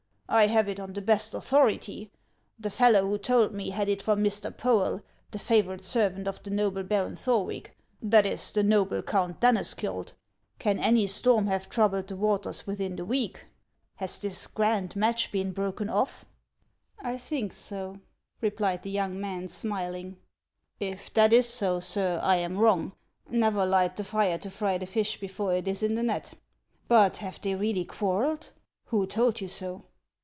I have it on the best authority. The fellow who told me had it from Mr. Poel, the favorite servant of the noble Baron Thorwick, — that is, the noble Count Danneskiold. Can any storm have troubled the waters within the week ? Has this grand match been broken oft' ?":' I think so," replied the young man, smiling. " If that is so, sir, I am wrong. Xever light the fire to fry the fish before it is in the net. But have they really quarrelled ? Who told you so